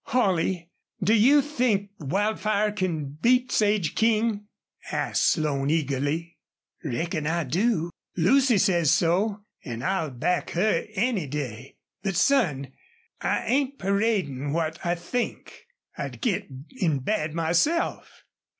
"Holley, do you think Wildfire can beat Sage King?" asked Slone, eagerly. "Reckon I do. Lucy says so, an' I'll back her any day. But, son, I ain't paradin' what I think. I'd git in bad myself.